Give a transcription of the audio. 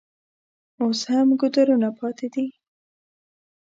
اوس هم ګودرونه پاتې دي.